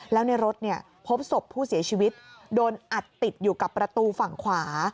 แล้วในรถพบศพผู้เสียชีวิตโดนอัดติดอยู่กับประตูฝั่งขวา